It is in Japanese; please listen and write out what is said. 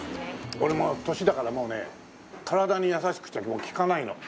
俺もう年だからもうね体に優しくちゃもう効かないの。